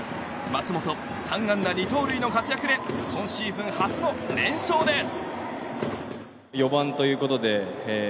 松本、３安打２盗塁の活躍で今シーズン初の連勝です！